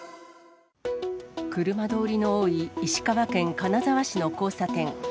車通りの多い、石川県金沢市の交差点。